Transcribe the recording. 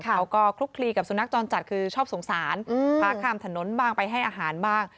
เขาก็คลุกคลีกับสุนัขจรจัดคือชอบสงสารพาข้ามถนนบ้างไปให้อาหารบ้าง